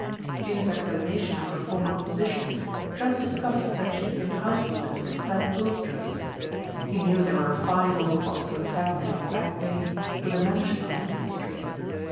In his examination of her former positions Trent discovered that she had been housekeeper to the Clent Bulstrodes. He knew they were a fine, old Boston family of Back Bay, with a mansion on Beacon street.